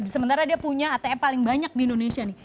sementara dia punya atm paling banyak di indonesia nih